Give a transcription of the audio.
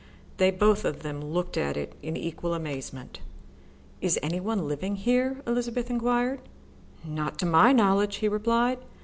They both of them looked at it in equal amazement. "Is any one living here?" Elizabeth enquired. "Not to my knowledge," he replied.